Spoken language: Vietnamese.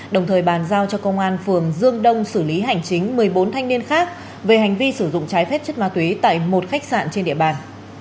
đồng thời bàn giao cho công an phường dương đông xử lý hành chính một mươi bốn thanh niên khác về hành vi sử dụng trái phép chất ma túy tại một khách sạn trên địa bàn